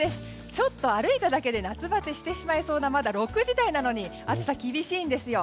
ちょっと歩いただけで夏バテしてしまいそうなまだ６時台なのに暑さ厳しいんですよ。